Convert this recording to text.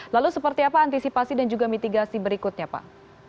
lalu seperti apa antisipasi dan juga mitigasi berikutnya pak